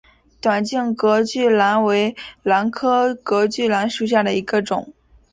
短茎隔距兰为兰科隔距兰属下的一个种。